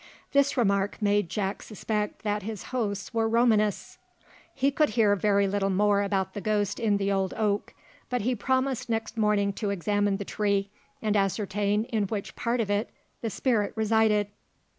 This remark made Jack suspect that his hosts were Romanists. He could hear very little more about the ghost in the old oak, but he promised next morning to examine the tree, and ascertain in which part of it the spirit resided.